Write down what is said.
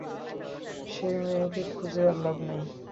সেই মেয়েটাকে খুঁজে আর লাভ নেই।